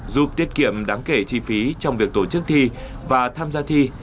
giúp tiết kiệm đáng kể chi phí trong việc tổ chức thi và tham gia thi